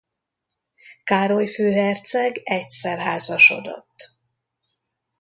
Károly főherceg egyszer házasodott.